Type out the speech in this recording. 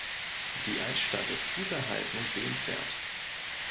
Die Altstadt ist gut erhalten und sehenswert.